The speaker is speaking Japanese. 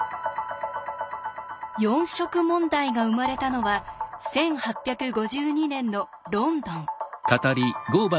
四色問題が生まれたのは１８５２年のロンドン。